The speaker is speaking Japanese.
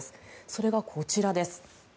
それがこちらです。